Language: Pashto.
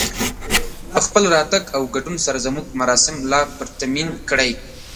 په خپل راتګ او ګډون سره زموږ مراسم لا پرتمين کړئ